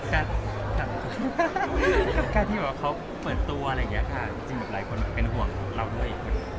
การที่แบบว่าเขาเปิดตัวอะไรอย่างนี้ค่ะจริงแบบหลายคนเป็นห่วงเราด้วย